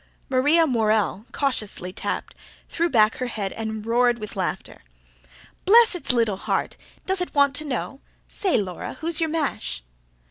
Maria Morell, cautiously tapped, threw back her head and roared with laughter. "Bless its little heart! Does it want to know? say, Laura, who's your mash?"